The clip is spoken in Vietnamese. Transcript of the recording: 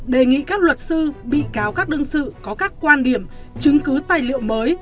đề nghị các luật sư bị cáo các đương sự có các quan điểm chứng cứ tài liệu mới